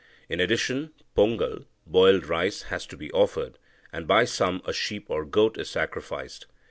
In addition, pongal (boiled rice) has to be offered, and by some a sheep or goat is sacrificed.